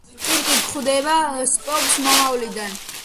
კირკი ხვდება სპოკს მომავლიდან.